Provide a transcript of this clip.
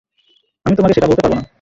আমি তোমাকে সেটা বলতে পারব না।